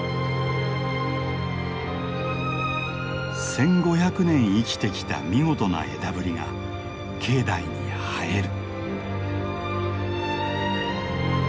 １，５００年生きてきた見事な枝ぶりが境内に映える。